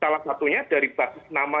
salah satunya dari basis nama